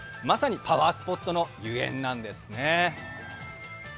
まさにパワースポットのゆえんなんですね。